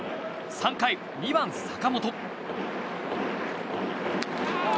３回、２番、坂本。